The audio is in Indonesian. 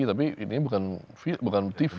tapi ini bukan tiff